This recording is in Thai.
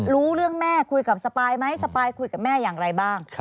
รู้เรื่องแม่คุยกับสปายไหมสปายคุยกับแม่อย่างไรบ้าง